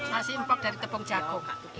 nasi empok dari tepung jagung